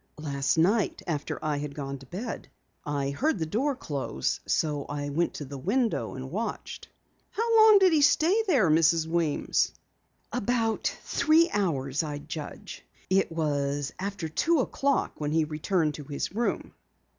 "Last night after I had gone to bed. I heard the door close, so I went to the window and watched." "How long did he stay there, Mrs. Weems?" "About three hours I'd judge. It was after two o'clock when he returned to his room."